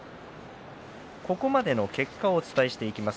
ここまでの結果をお伝えしていきます。